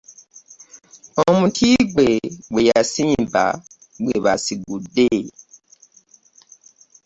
Omuti gwe gwe yasimba gwe basigudde.